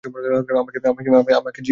আমাকে জিজ্ঞাসা করতে সবুর সয় নি?